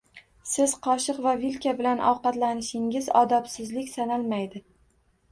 Siz qoshiq va vilka bilan ovqatlanishingiz odobsizlik sanalmaydi.